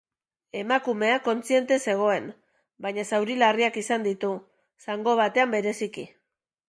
Emakumea kontziente zegoen baina zauri larriak izan ditu, zango batean bereziki.